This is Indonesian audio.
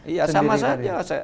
iya sama saja